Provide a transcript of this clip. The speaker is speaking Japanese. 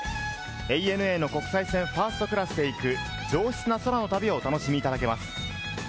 ＡＮＡの国際線ファーストクラスで行く上質な空の旅をお楽しみいただけます。